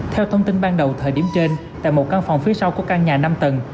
theo thông tin ban đầu thời điểm trên tại một căn phòng phía sau của căn nhà năm tầng